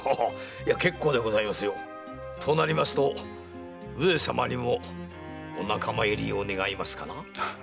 けっこうでございますよ。となりますと上様にもお仲間入りを願いますかな？